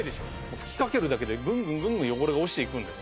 吹きかけるだけでグングングングン汚れが落ちていくんです。